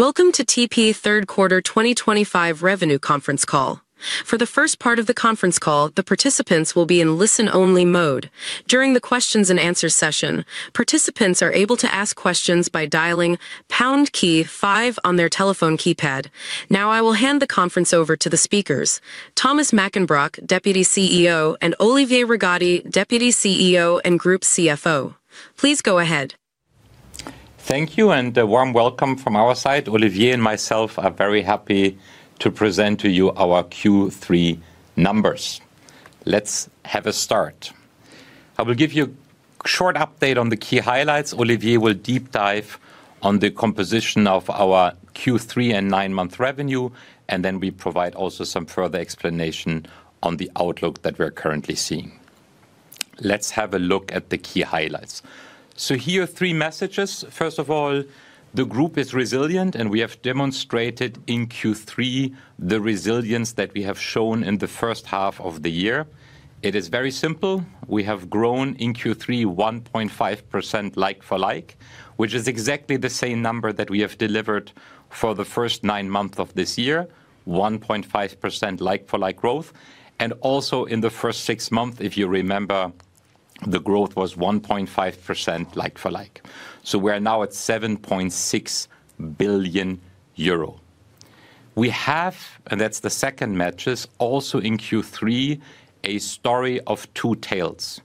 Welcome to TP third quarter 2025 revenue conference call. For the first part of the conference call, the participants will be in listen only mode. During the questions and answers session, participants are able to ask questions by dialing pound key five on their telephone keypad. Now I will hand the conference over to the speakers, Thomas Mackenbrock, Deputy CEO, and Olivier Rigotti, Deputy CEO and Group CFO. Please go ahead. Thank you and a warm welcome from our side. Olivier and myself are very happy to present to you our Q3 numbers. Let's have a start. I will give you a short update on the key highlights. Olivier will deep dive on the composition of our Q3 and nine month revenue and then we provide also some further explanation on the outlook that we are currently seeing. Let's have a look at the key highlights. Here are three messages. First of all, the group is resilient and we have demonstrated in Q3 the resilience that we have shown in the first half of the year. It is very simple. We have grown in Q3 1.5% like-for-like which is exactly the same number that we have delivered for the first nine months of this year. 1.5% like-for-like growth and also in the first six months, if you remember the growth was 1.5% like-for-like. We are now at 7.6 billion euro. We have, and that's the second metrics, also in Q3, a story of two tails.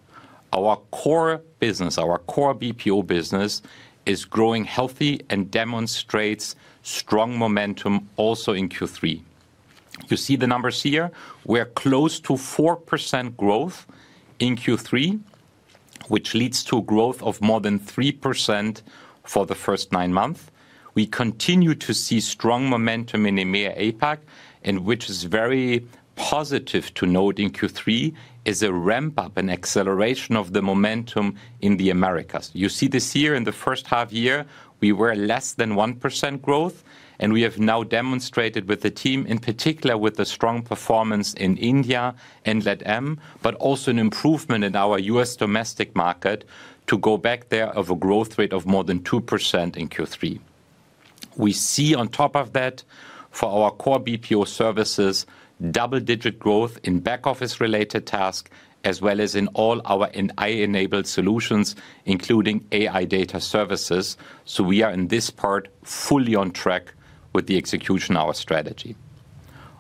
Our core business, our core BPO business, is growing healthy and demonstrates strong momentum. Also in Q3, you see the numbers here. We are close to 4% growth in Q3, which leads to growth of more than 3% for the first nine months. We continue to see strong momentum in EMEA, APAC, and, which is very positive to note in Q3, is a ramp-up and acceleration of the momentum in the Americas. You see this year in the first half year we were less than 1% growth and we have now demonstrated with the team in particular with the strong performance in India and EMEA but also an improvement in our U.S. domestic market. To go back there of a growth rate of more than 2% in Q3 we see on top of that for our core BPO services, double-digit growth in back-office related tasks as well as in all our AI enabled solutions including AI data services. We are in this part fully on track with the execution of our strategy.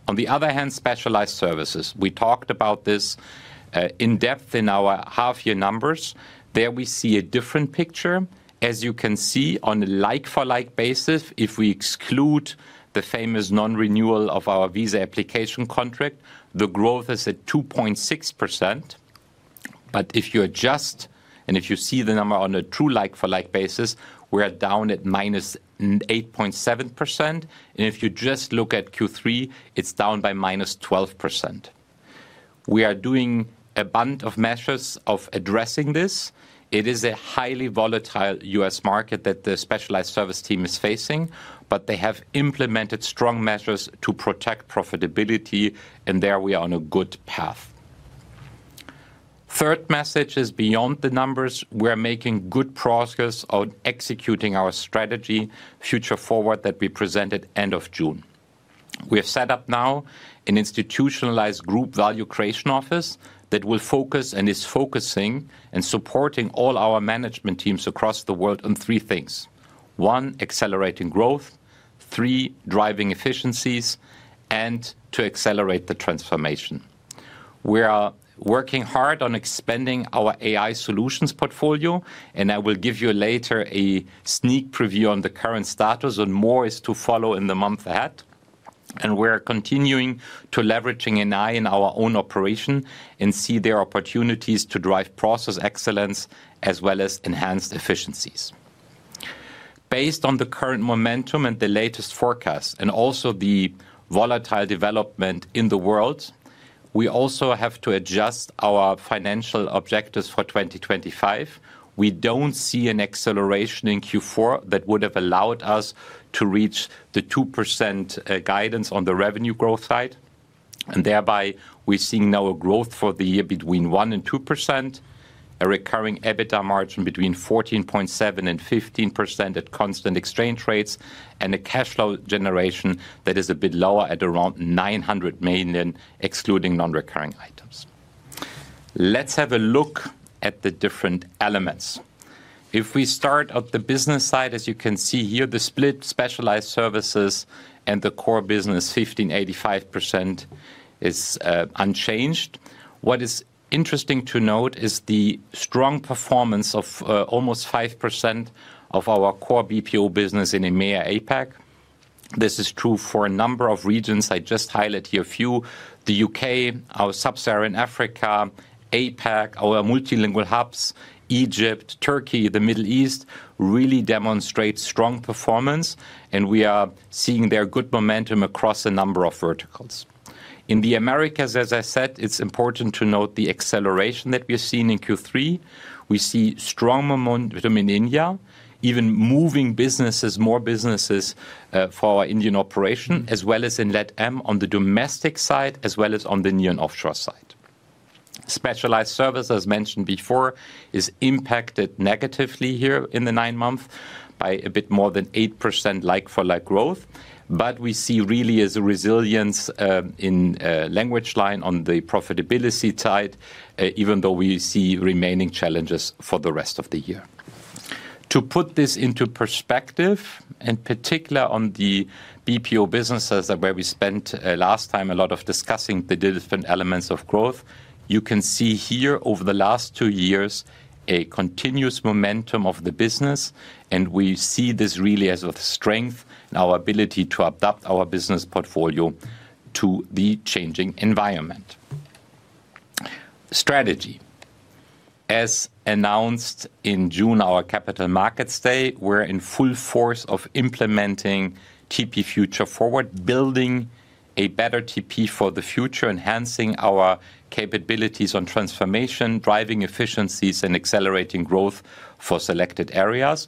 On the other hand, specialized services. We talked about this in depth in our half year numbers. There we see a different picture. As you can see, on a like-for-like basis, if we exclude the famous non-renewal of our visa application contract, the growth is at 2.6%. If you adjust and if you see the number on a true like-for-like basis, we are down at -8.7%, and if you just look at Q3, it is down by -12%. We are doing a bunch of measures addressing this. It is a highly volatile U.S. market that the specialized service team is facing, but they have implemented strong measures to protect profitability, and there we are on a good path. Third message is beyond the numbers. We are making good progress on executing our strategy Future Forward that we presented end of June. We have set up now an institutionalized group Value Creation office that will focus and is focusing and supporting all our management teams across the world on three things. One, accelerating growth; three, driving efficiencies; and to accelerate the transformation we are working hard on expanding our AI solutions portfolio and I will give you later a sneak preview on the current status and more is to follow in the month ahead. We are continuing to leverage AI in our own operation and see there are opportunities to drive process excellence as well as enhanced efficiencies. Based on the current momentum and the latest forecast and also the volatile development in the world, we also have to adjust our financial objectives for 2025. We don't see an acceleration in Q4 that would have allowed us to reach the 2% guidance on the revenue growth side, and thereby we see now a growth for the year between 1%-2%, a recurring EBITDA margin between 14.7%-15% at constant exchange rates, and a cash flow generation that is a bit lower at around $900 million excluding non-recurring items. Let's have a look at the different elements. If we start at the business side, as you can see here, the split specialized services and the core business 15%-85% is unchanged. What is interesting to note is the strong performance of almost 5% of our core BPO business in EMEA and APAC. This is true for a number of regions. I just highlight here a few: the U.K., our Sub-Saharan Africa, APAC, our multilingual hubs, Egypt, Turkey, the Middle East really demonstrate strong performance, and we are seeing there good momentum across a number of verticals. In the Americas, as I said, it's important to note the acceleration that we're seeing in Q3. We see strong momentum in India, even moving more businesses for our Indian operation as well as in LATAM on the domestic side as well as on the near and offshore side. Specialized service, as mentioned before, is impacted negatively here in the nine months by a bit more than 8% like-for-like growth, but we see really a resilience in LanguageLine on the profitability side even though we see remaining challenges for the rest of the year. To put this into perspective, in particular on the BPO businesses where we spent last time a lot of discussing the different elements of growth, you can see here over the last two years a continuous momentum of the business, and we see this really as a strength in our ability to adapt our business portfolio to the changing environment strategy. As announced in June, at our Capital Markets Day, we are in full force of implementing TP future forward, building a better TP for the future, enhancing our capabilities on transformation, driving efficiencies, and accelerating growth for selected areas.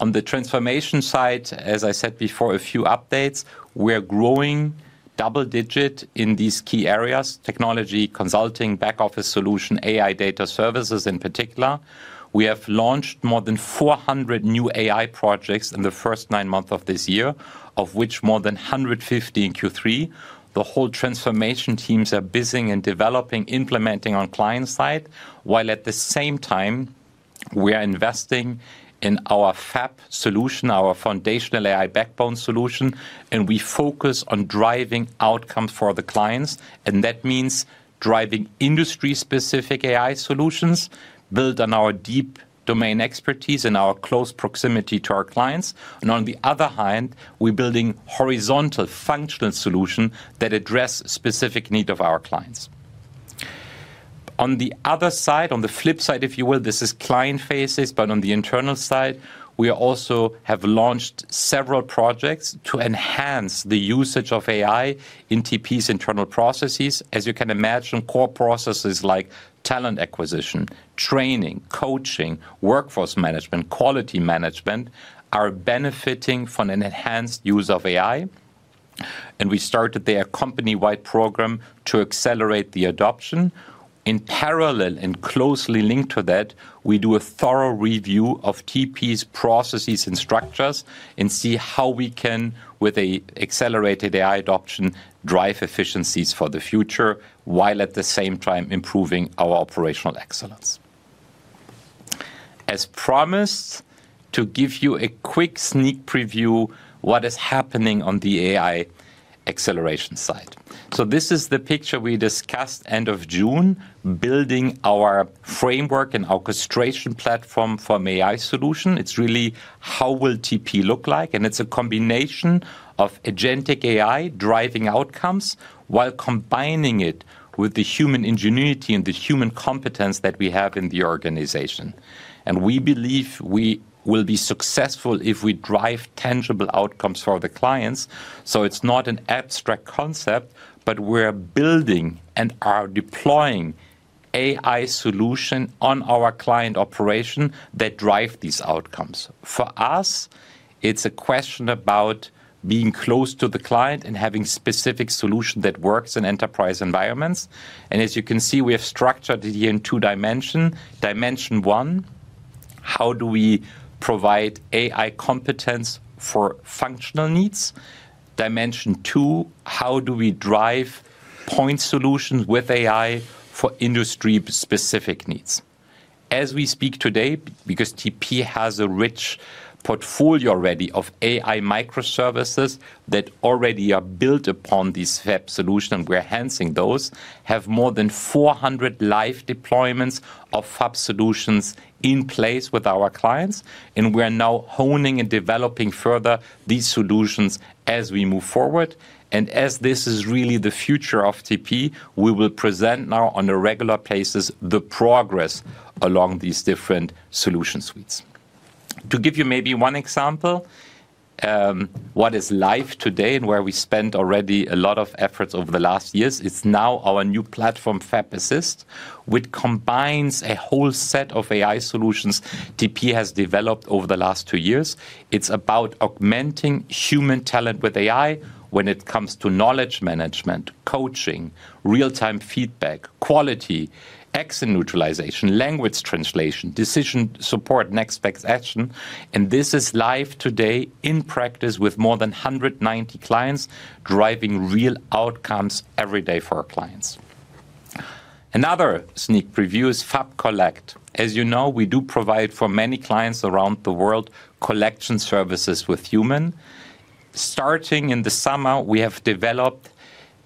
On the transformation side, as I said before, a few updates: we are growing double digit in these key areas—technology consulting, back-office solution, AI data services. In particular, we have launched more than 400 new AI projects in the first nine months of this year, of which more than 150 in Q3. The whole transformation teams are busying and developing, implementing on client side, while at the same time we are investing in our FAB Solution, our foundational AI backbone solution, and we focus on driving outcomes for the clients, and that means driving industry-specific AI solutions built on our deep domain expertise and our close proximity to our clients. On the other hand, we're building horizontal functional solution that address specific need of our clients. On the other side, on the flip side if you will, this is client phases, but on the internal side, we also have launched several projects to enhance the usage of AI in TP's internal processes. As you can imagine, core processes like talent acquisition, training, coaching, workforce management, quality management are benefiting from an enhanced use of AI. We started their company wide program to accelerate the adoption. In parallel and closely linked to that, we do a thorough review of TP's processes and structures and see how we can, with an accelerated AI adoption, drive efficiencies for the future while at the same time improving our operational excellence as promised. To give you a quick sneak preview of what is happening on the AI acceleration side, this is the picture we discussed end of June, building our framework and orchestration platform for AI solution. It is really how will TP look like and it is a combination of agentic AI driving outcomes while combining it with the human ingenuity and the human competence that we have in the organization. We believe we will be successful if we drive tangible outcomes for the clients. It is not an abstract concept, but we are building and are deploying AI solution on our client operation that drive these outcomes. For us it is a question about being close to the client and having specific solution that works in enterprise environments. As you can see, we have structured it here in two dimension, you see can dimension one how do we provide AI competence for functional needs? Dimension two, how do we drive point solutions with AI for industry specific needs as we speak today? Because TP has a rich portfolio already of AI microservices that already are built upon these FAB solutions and we are enhancing those. have more than 400 live deployments of FAB solutions in place with our clients, and we are now honing and developing further these solutions as we move forward. This is really the future of TP. We will present now on a regular basis the progress along these different solution suites. To give you maybe one example, what is live today and where we spent already a lot of efforts over the last years, it is now our new platform FabAssist, which combines a whole set of AI solutions TP has developed over the last two years. It is about augmenting human talent with AI when it comes to knowledge management, coaching, real-time feedback, quality, accent neutralization, language translation, decision support, next best action. This is live today in practice with more than 190 clients, driving real outcomes every day for our clients. Another sneak preview is FAB Collect. As you know, we do provide for many clients around the world collection services with human. Starting in the summer we have developed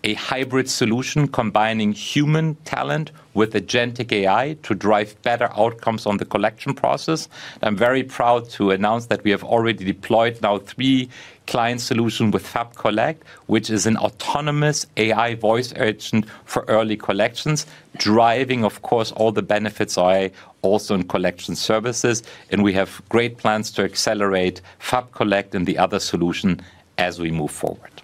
a hybrid solution combining human talent with agentic AI to drive better outcomes on the collection process. I'm very proud to announce that we have already deployed now three client solutions with FAB Collect, which is an autonomous AI voice agent for early collections. That driving of course all the benefits also in collection services. We have great plans to accelerate FAB Collect and the other solution as we move forward.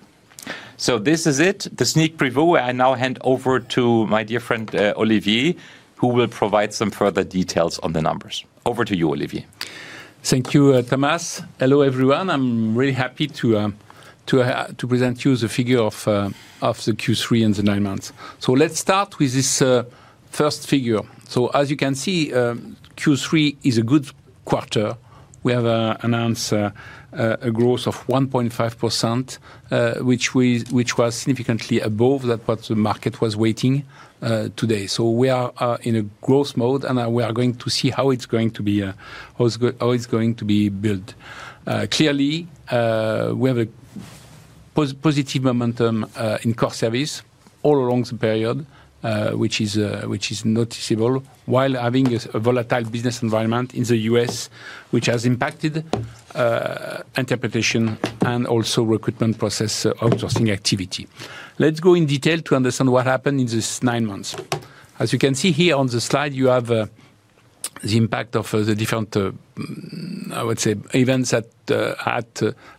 This is it, the sneak preview. I now hand over to my dear friend Olivier who will provide some further details on the numbers. Over to you, Olivier. Thank you Thomas. Hello everyone. I'm really happy to present you the figure of the Q3 and the nine months. Let's start with this first figure. As you can see, Q3 is a good quarter. We have announced a growth of 1.5% which was significantly above what the market was waiting today. We are in a growth mode and we are going to see how it's going to be built. Clearly we have a positive momentum in core service all along the period, which is noticeable while having a volatile business environment in the U.S., which has impacted interpretation and also recruitment process outsourcing activity. Let's go in detail to understand what happened in this nine months. As you can see here on the slide you have the impact of the different, I would say, events that had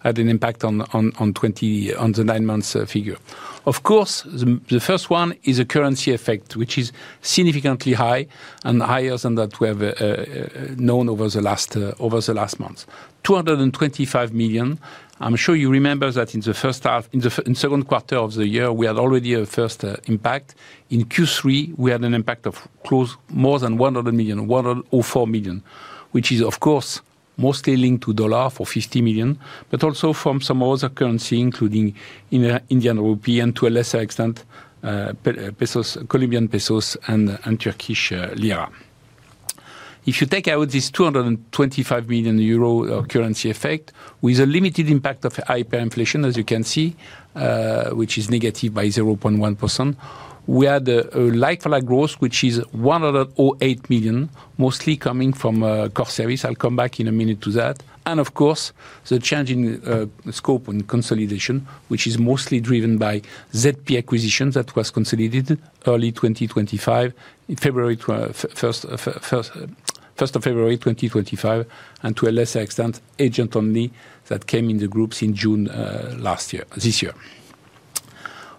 had an impact on 2024 on the nine months figure. Of course, the first one is a currency effect which is significantly high and higher than what we have known over the last, over the last months, $225 million. I'm sure you remember that in the first half, in the second quarter of the year, we had already a first impact. In Q3 we had an impact of close to more than $100 million, $104 million, which is of course mostly linked to dollar for $50 million but also from some other currency including Indian rupee and to a lesser extent pesos, Colombian peso and Turkish lira. If you take out this 225 million euro currency effect with a limited impact of hyperinflation, as you can see, which is negative by 0.1%, we had like-for-like growth which is 108 million, mostly coming from core services. I'll come back in a minute to that. Of course, the change in scope and consolidation is mostly driven by ZP acquisitions that were consolidated early 2025, 1st of February 2025, and to a lesser extent Agents Only that came in the group in June last year. This year,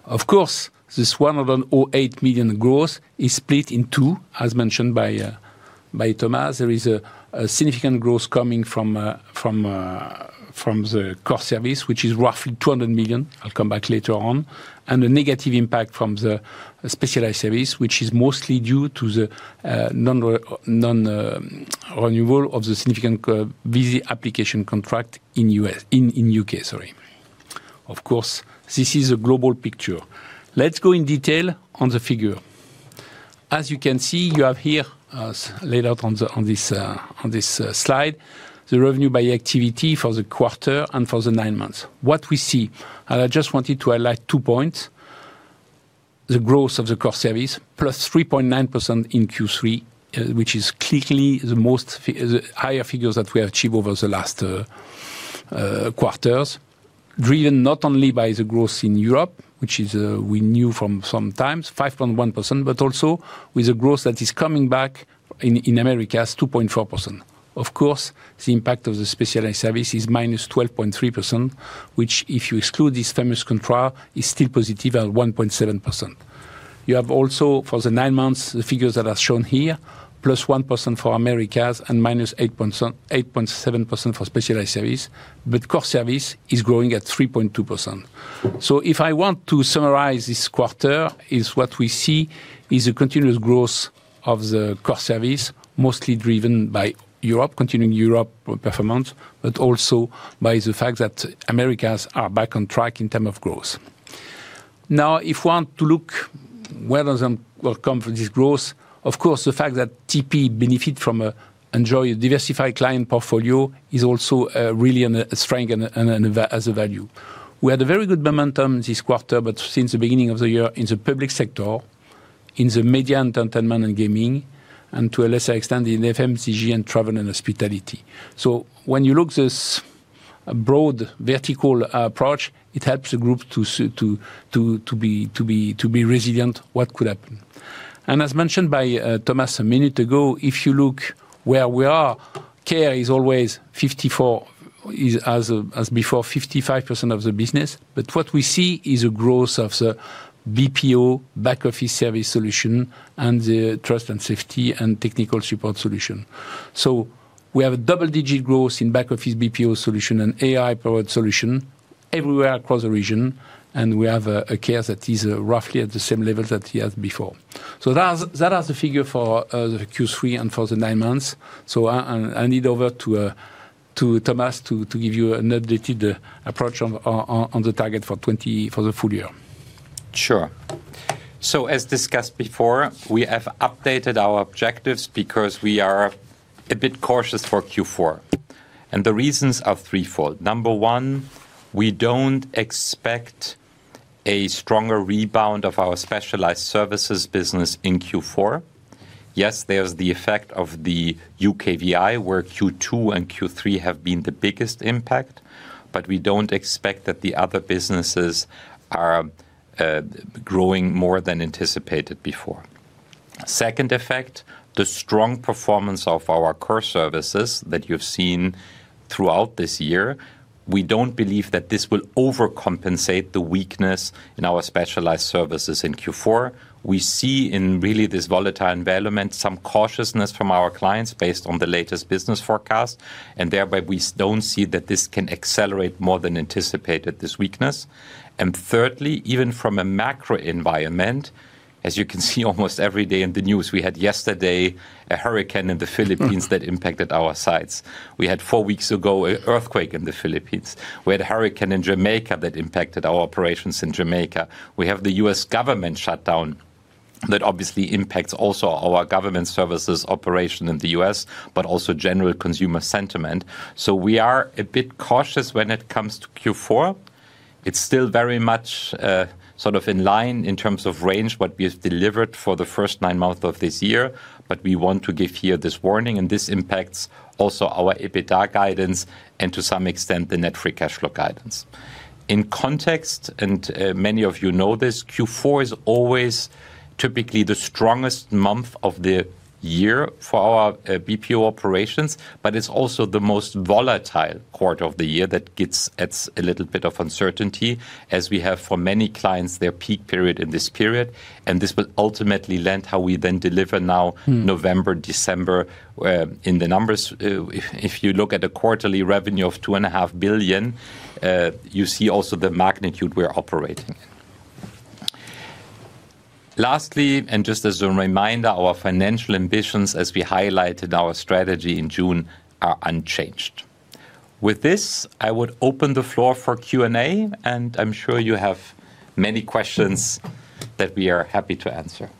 of course, this 108 million growth is split in two. As mentioned by Thomas, there is significant growth coming from the core service, which is roughly 200 million. I'll come back later on. There is a negative impact from the specialized service, which is mostly due to the non-renewal of the significant visa application contract in the U.K. Sorry, of course this is a global picture. Let's go in detail on the figure. As you can see, you have here laid out on this slide the revenue by activity for the quarter and for the nine months. What we see. And I just wanted to highlight two points. The growth of the core service +3.9% in Q3, which is clearly the most higher figures that we have achieved over the last quarters. Driven not only by the growth in Europe which is we knew from sometimes 5.1% but also with a growth that is coming back in Americas 2.4%. Of course the impact of the specialized service is -12.3% which if you exclude this famous control is still positive at 1.7% you have also for the nine months the figures that are shown here, +1% for Americas and -8.7% for specialized service. Core service is growing at 3.2%. If I want to summarize this quarter, what we see is a continuous growth of the core service, mostly driven by Europe, continuing Europe performance, but also by the fact that Americas are back on track in terms of growth. Now if I want to look where does this growth come from. Of course, the fact that TP benefits from and enjoys a diversified client portfolio is also really a strength, and as a value, we had a very good momentum this quarter. Since the beginning of the year, in the public sector, in the media and gaming, and to a lesser extent in FMCG and travel and hospitality. When you look at this broad vertical approach, it helps the group to be resilient. What could happen? As mentioned by Thomas a minute ago, if you look where we are, care is always 54% as before, 55% of the business. What we see is a growth of the BPO back-office service solution and the trust and safety and technical support solution. We have double-digit growth in back-office BPO solution and AI-powered solution everywhere across the region. We have a care that is roughly at the same level that he had before. That is the figure for Q3 and for the nine months. I hand it over to Thomas to give you an updated approach on the target for 2024 for the full year. Sure. As discussed before, we have updated our objectives because we are a bit cautious for Q4 and the reasons are threefold. Number one, we do not expect a stronger rebound of our specialized services business in Q4. Yes, there is the effect of the UKVI where Q2 and Q3 have been the biggest impact. We do not expect that the other businesses are growing more than anticipated before. Second effect, the strong performance of our core services that you have seen throughout this year. We do not believe that this will overcompensate the weakness in our specialized services in Q4. We see in really this volatile environment some cautiousness from our clients based on the latest business forecast and thereby we do not see that this can accelerate more than anticipated, this weakness. Thirdly, even from a macro environment, as you can see almost every day in the news, we had yesterday a hurricane in the Philippines that impacted our sites. We had four weeks ago an earthquake in the Philippines. We had a hurricane in Jamaica that impacted our operations in Jamaica. We have the U.S. government shutdown that obviously impacts also our government services operation in the U.S. but also general consumer sentiment. We are a bit cautious when it comes to Q4. It's still very much sort of in line in terms of range with what we've delivered for the first nine months of this year. We want to give here this warning and this impacts also our EBITDA guidance and to some extent the net free cash flow guidance in context, and many of you know this Q4 is always typically the strongest month of the year for our BPO operations, but it is also the most volatile quarter of the year that gets a little bit of uncertainty as we have for many clients their peak period in this period, and this will ultimately land how we then deliver now, November, December in the numbers. If you look at a quarterly revenue of $2.5 billion, you see also the magnitude we are operating. Lastly, and just as a reminder, our financial ambitions as we highlighted our strategy in June are unchanged. With this I would open the floor for Q&A and I'm sure you have many questions that we are happy to answer.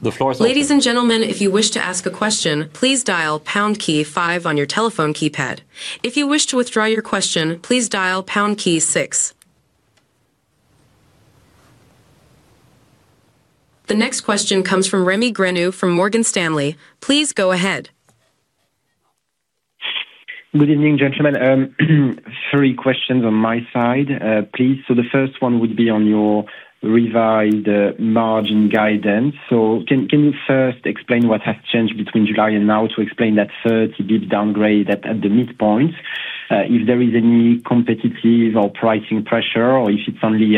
The floor. Ladies and gentlemen, if you wish to ask a question, please dial key five on your telephone keypad. If you wish to withdraw your question, please dial pound key siz. The next question comes from Remy Grenoux from Morgan Stanley. Please go ahead. Good evening gentlemen. Three questions on my side please. The first one would be on your revised margin guidance. Can you first explain what has changed between July and now to explain that 30 downgrade at the midpoint, if there is any competitive or pricing pressure, or if it is only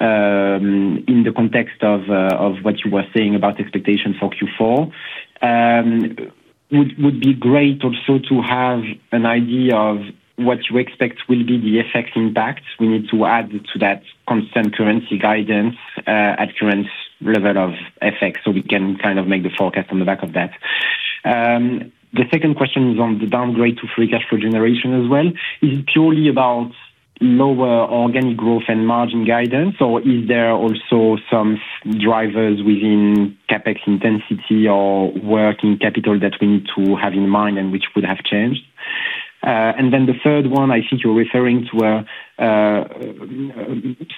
in the context of what you were saying about expectations for Q4, would be great. Also, to have an idea of what you expect will be the effect we need to add to that constant currency guidance at current level of effect, so we can kind of make the forecast on the back of that. The second question is on the downgrade to free cash flow generation as well. Is it purely about lower organic growth and margin guidance, or is there also some drivers within CapEx intensity or working capital that we need to have in mind and which would have changed? The third one, I think you're referring to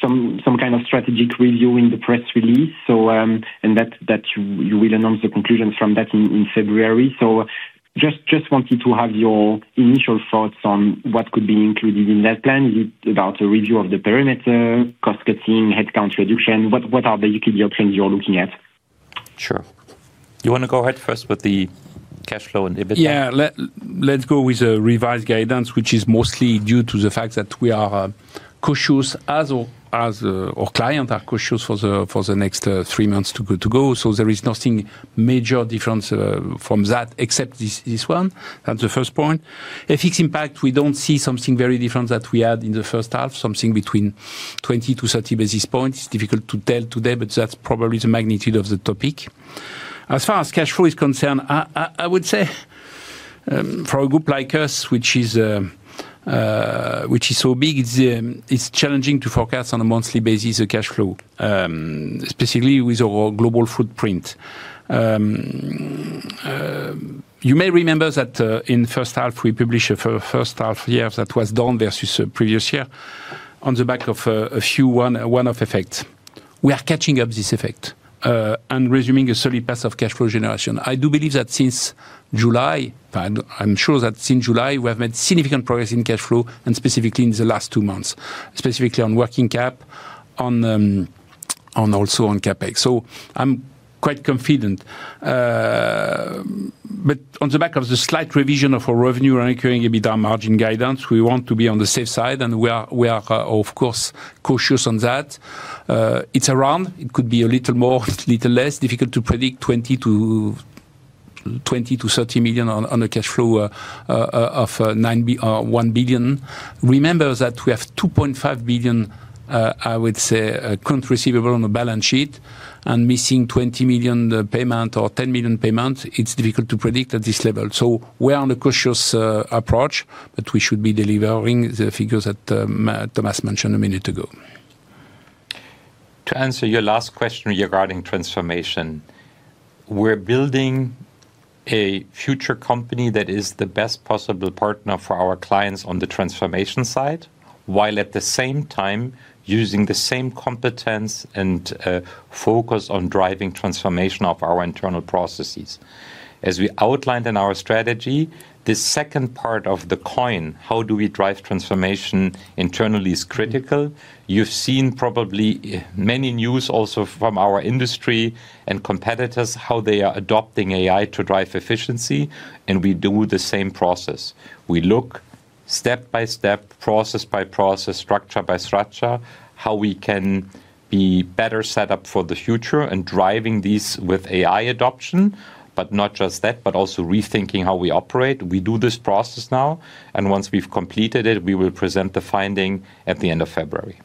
some kind of strategic review, the press release, and that you will announce the conclusions from that in February. I just wanted to have your initial thoughts on what could be included in that plan. Is it about a review of the perimeter, cost cutting, headcount reduction, what are the UTIL trends you're looking at? Sure. You want to go ahead first with the cash flow and EBITDA. Yeah, let's go with a revised guidance, which is mostly due to the fact that we are cautious as our clients are cautious for the next three months to go. There is nothing major different from that except this one. That's the first point, a fixed impact. We do not see something very different than what we had in the first half. Something between 20-30 basis points. It's difficult to tell today, but that's probably the magnitude of the topic as far as cash flow is concerned. I would say for a group like us, which is so big, it's challenging to forecast on a monthly basis a cash flow specifically with our global footprint. You may remember that in the first half we published a first half year that was done versus the previous year on the back of a few, one-off effect. We are catching up this effect and resuming a solid path of cash flow generation. I do believe that since July, I'm sure that since July we have made significant progress in cash flow and specifically in the last two months, specifically on working cap and also on CapEx. I am quite confident. On the back of the slight revision of our revenue margin guidance, we want to be on the safe side. We are, of course, cautious on that. It is around. It could be a little more, a little less, difficult to predict $20 million-$30 million on the cash flow of $1 billion. Remember that we have $2.5 billion, I would say, current receivable on the balance sheet and missing $20 million payment or $10 million payments, it is difficult to predict at this level, so we are on a cautious approach. We should be delivering the figures that Thomas mentioned a minute ago. To answer your last question regarding transformation, we're building a future company that is the best possible partner for our clients on the transformation side, while at the same time using the same competence and focus on driving transformation of our internal processes. As we outlined in our strategy, the second part of the coin, how do we drive transformation internally is critical. You've seen probably many news also from our industry and competitors how they are adopting AI to drive efficiency. We do the same process. We look step by step, process by process, structure by structure, how we can be better set up for the future and driving these with AI adoption. Not just that, but also rethinking how we operate. We do this process now and once we've completed it, we will present the finding at the end of February.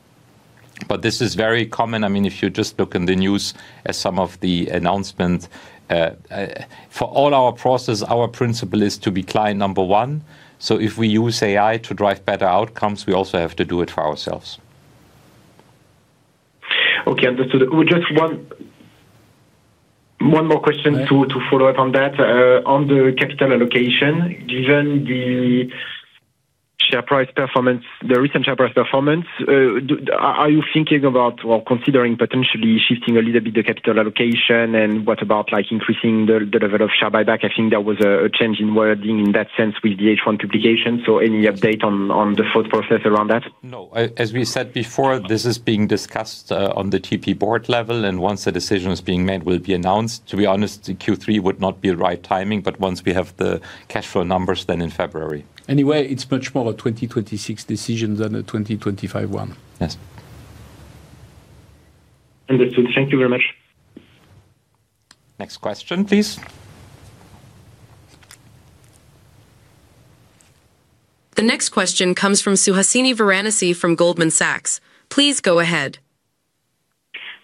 This is very common. I mean if you just look in the news as some of the announcements for all our process, our principle is to be client number one. So if we use AI to drive better outcomes, we also have to do it for ourselves. Okay, understood. Just one more question to follow up on that. On the capital allocation. Given the share price performance, the recent share price performance, are you thinking about or considering potentially shifting a little bit the capital allocation? What about like increasing the level of share buyback? I think that was a change in wording in that sense with the H1 duplication. Any update on the thought process around that? No, as we said before, this is being discussed on the TP board level and once the decision is being made will be announced. To be honest, Q3 would not be the right timing, but once we have the cash flow numbers then in February. Anyway, it's much more a 2026 decision than a 2025 one. Yes. Understood. Thank you very much. Next question please. The next question comes from Suhasini Varanasi from Goldman Sachs. Please go ahead.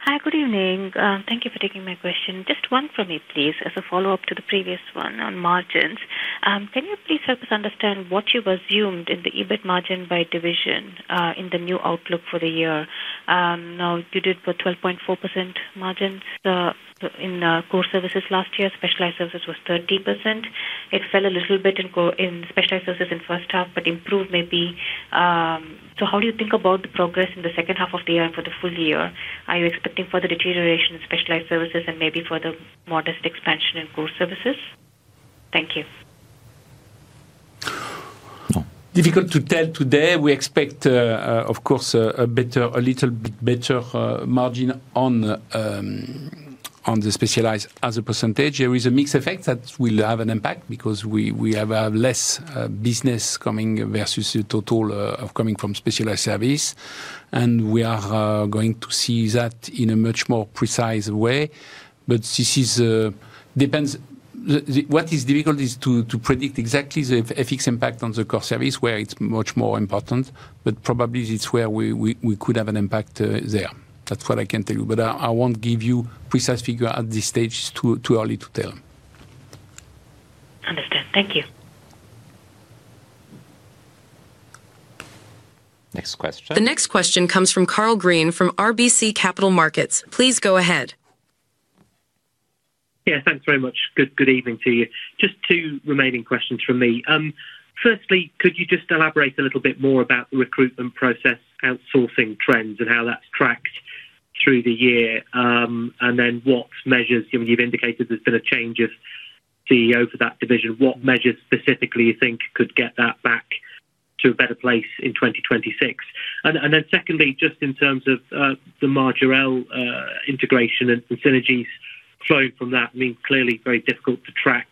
Hi, good evening. Thank you for taking my question. Just one for me please. As a follow up to the previous one on margins, can you please help us understand what you've assumed in the EBIT by division in the new outlook for the year now, you did put 12.4% margins in core services last year. Specialized services was 30%. It fell a little bit in specialized services in first half, but improved maybe. So how do you think about the progress in the second half of the year? For the full year, are you expecting further deterioration in specialized services and maybe further modest expansion in core services? Thank you. Difficult to tell today. We expect of course a better, a little bit better margin on the specialized as a percentage, there is a mix effect that will have an impact because we have less business coming versus the total of coming from specialized service. We are going to see that in a much more precise way. This depends. What is difficult is to predict exactly the FX impact on the core service where it is much more important. Probably it is where we could have an impact. That is what I can tell you, but I will not give you precise figure at this stage. It is too early to tell. Understood. Thank you. Next question. The next question comes from Karl Green from RBC Capital Markets. Please go ahead. Yeah, thanks very much. Good evening to you. Just two remaining questions from me. Firstly, could you just elaborate a little bit more about the recruitment process, outsourcing trends and how that's tracked through the year and then what measures you've indicated there's been a change of CEO for that division. What measures specifically you think could get that back to a better place in 2026? Secondly, just in terms of the Majorel integration and synergies flowing from that, I mean, it's clearly very difficult to track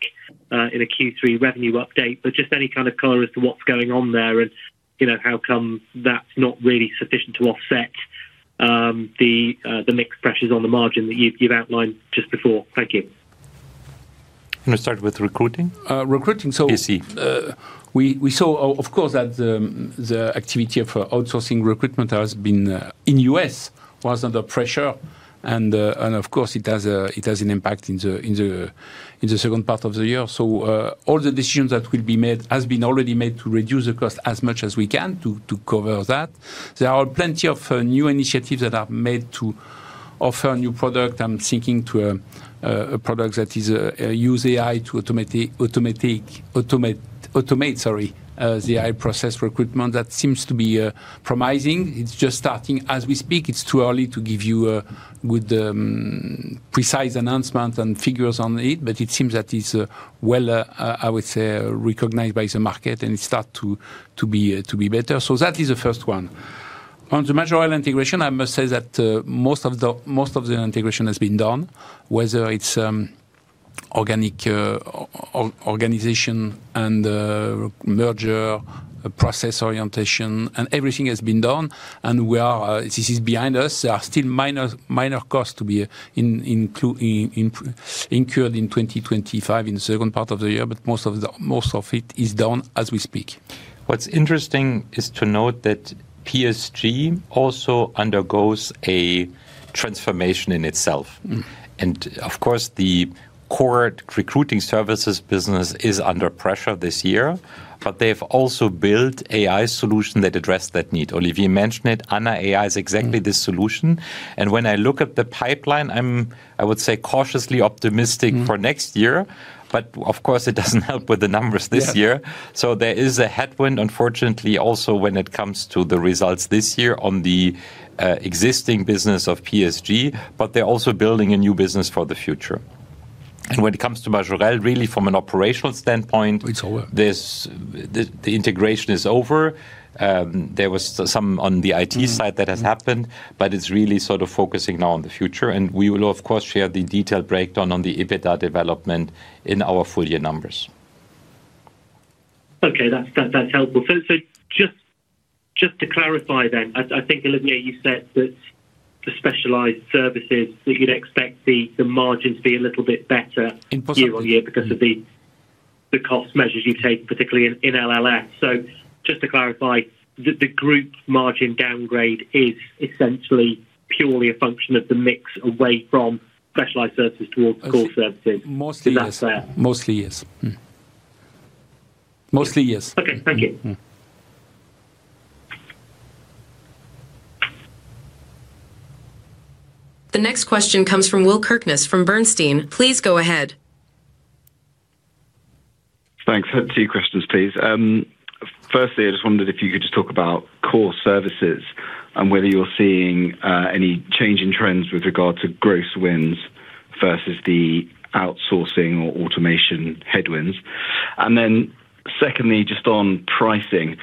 in a Q3 revenue update, but just any kind of color as to what's going on there and, you know, how come that's not really sufficient to offset the mixed pressures on the margin that you've outlined just before. Thank you. Let's start with recruiting. Recruiting. We saw, of course, that the activity of outsourcing recruitment in the US was under pressure and it does have an impact in the second part of the year. All the decisions that will be made have already been made to reduce the cost as much as we can to cover that. There are plenty of new initiatives that are made to offer a new product. I'm thinking of a product that uses AI to automate the process of recruitment that seems to be promising. It's just starting as we speak. It's too early to give you a good precise announcement and figures on it, but it seems that it is, I would say, recognized by the market and it is starting to be better. That is the first one on the Majorel integration. I must say that most of the integration has been done, whether it's organization and merger process orientation, and everything has been done, and this is behind us. Still minor costs to be incurred in 2025 in the second part of the year, but most of it is done as we speak. What's interesting is to note that PSG also undergoes a transformation in itself. Of course, the core recruiting services business is under pressure this year, but they've also built a solution that addresses that need. Olivier mentioned it. Ana is exactly the solution. When I look at the pipeline, I'm, I would say, cautiously optimistic for next year. Of course, it doesn't help with the numbers this year. There is a headwind unfortunately also when it comes to the results this year on the existing business of PSG. They're also building a new business for the future. When it comes to Majorel, really from an operational standpoint, it's over. The integration is over. There was some on the IT side that has happened, but it's really sort of focusing now on the future. We will of course share the detailed breakdown on the EBITDA development in our full year numbers. Okay, that's helpful. Just to clarify then, I think Olivier, you said that the specialized services that you'd expect the margin to be a little bit better year on year because of the cost measures you take, particularly in LLS. Just to clarify, the group margin downgrade is essentially purely a function of the mix away from specialized services towards core services. Mostly yes. Mostly, yes. Okay, thank you. The next question comes from Will Kirkness from Bernstein. Please go ahead. Thanks. Two questions please. Firstly, I just wondered if you could just talk about core services and whether you're seeing any change in trends with regard to gross wins versus the outsourcing or automation headwinds. And then secondly, just on pricing,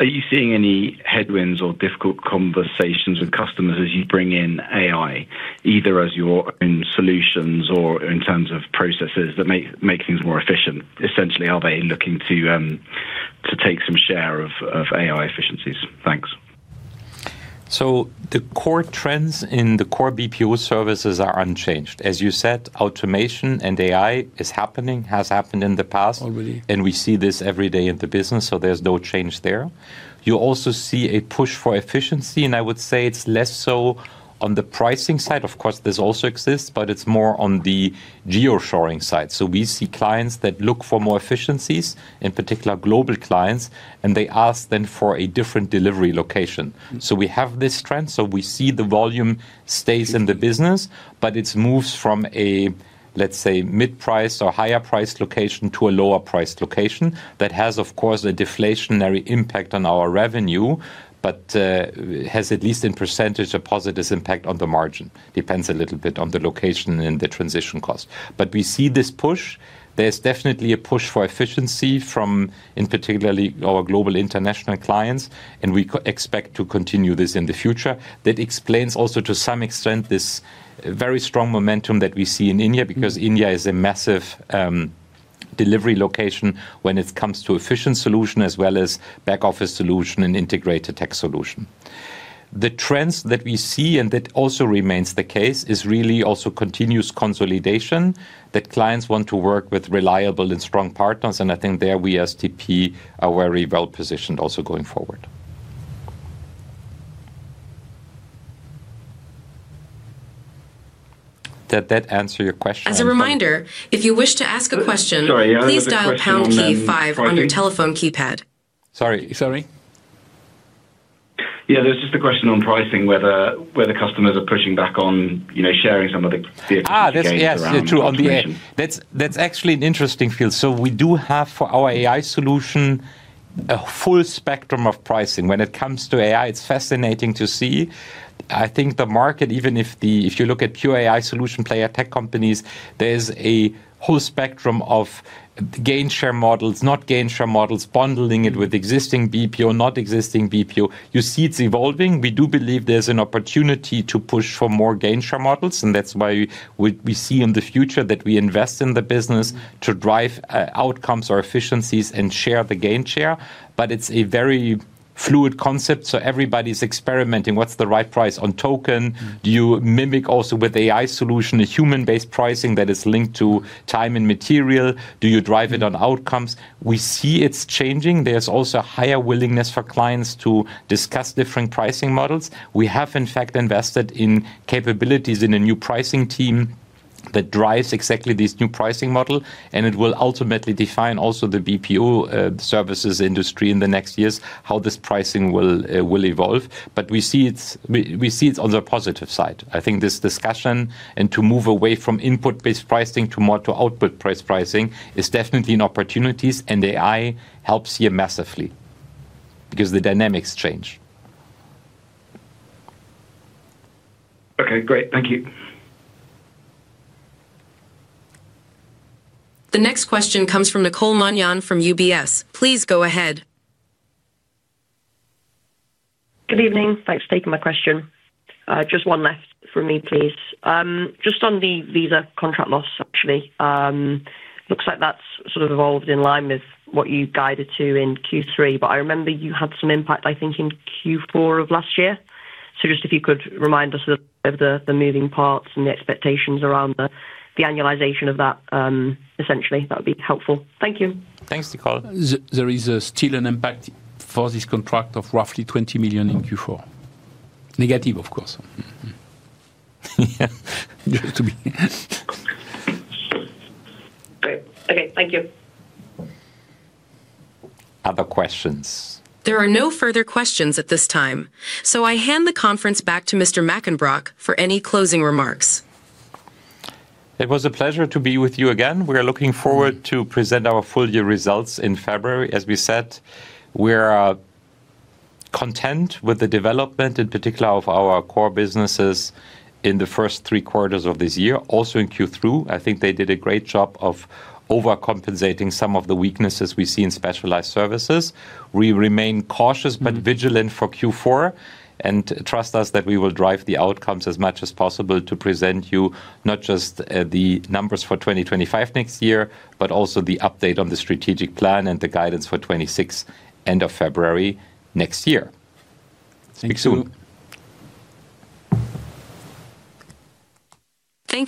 are you seeing any headwinds or difficult conversations with customers as you bring in AI either as your own solutions or in terms of processes that make things more efficient? Essentially, are they looking to take some share of AI efficiencies? Thanks. The core trends in the core BPO services are unchanged. As you said, automation and AI is happening, has happened in the past, and we see this every day in the business. There is no change there. You also see a push for efficiency, and I would say it is less so on the pricing side. Of course, this also exists, but it is more on the geo shoring side. We see clients that look for more efficiencies, in particular global clients, and they ask then for a different delivery location. We have this trend. We see the volume stays in the business, but it moves from a, let's say, mid price or higher price location to a lower priced location. That has, of course, a deflationary impact on our revenue, but has at least in percentage a positive impact on the margin. Depends a little bit on the location and the transition cost. We see this push, there's definitely a push for efficiency from in particularly our global international clients and we expect to continue this in the future. That explains also to some extent this very strong momentum that we see in India because India is a massive delivery location when it comes to efficient solution as well as back-office solution and integrated tech solution. The trends that we see, and that also remains the case, is really also continuous consolidation that clients want to work with reliable and strong partners. I think there we at Teleperformance are very well positioned also going forward. Did that answer your question? As a reminder, if you wish to ask a question, please dial pound key five on your telephone keypad. Sorry, sorry. Yeah, there's just a question on pricing, whether customers are pushing back on sharing some of the key. Ah, that's actually an interesting field. We do have for our AI solution a full spectrum of pricing. When it comes to AI, it's fascinating to see, I think the market, even if you look at pure solution play at tech companies, there's a whole spectrum of gain share models, not gain share models. Bundling it with existing BPO, not existing BPO. You see it's evolving. We do believe there's an opportunity to push for more gain share models. That is why we see in the future that we invest in the business to drive outcomes or efficiencies and share the gain share. It's a very fluid concept, so everybody's experimenting. What's the right price on token? Do you mimic also with a solution, a human-based pricing that is linked to time and material, do you drive it on outcomes? We see it's changing. There's also higher willingness for clients to discuss different pricing models. We have in fact invested in capabilities in a new pricing team that drives exactly this new pricing model. It will ultimately define also the BPO services industry in the next years, how this pricing will evolve. We see it on the positive side. I think this discussion and to move away from input based pricing to more to output price pricing is definitely an opportunity and AI helps here massively because the dynamics change. Okay, great, thank you. The next question comes from Nicole Manion from UBS. Please go ahead. Good evening. Thanks for taking my question. Just one left for me please. Just on the visa contract loss actually looks like that's sort of evolved in line with what you guided to in Q3. I remember you had some impact I think in Q4 of last year. If you could remind us of the moving parts and the expectations around the annualization of that essentially that would be helpful. Thank you. Thanks Nicole. There is still an impact for this contract of roughly $20 million in Q4. Negative of course, just to be. Okay, thank you. Other questions? There are no further questions at this time. I hand the conference back to Mr. Mackenbrock for any closing remarks. It was a pleasure to be with you again. We are looking forward to present our full year results in February. As we said, we are content with the development in particular of our core businesses in the first three quarters of this year. Also in Q3, I think they did a great job of overcompensating some of the weaknesses we see in specialized services. We remain cautious but vigilant for Q4. Trust us that we will drive the outcomes as much as possible to present you not just the numbers for 2025 next year, but also the update on the strategic plan and the guidance for 2026 end of February next year. Thank you. Thank you.